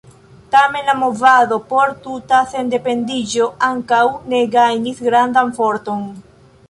Tamen, la movado por tuta sendependiĝo ankoraŭ ne gajnis grandan forton.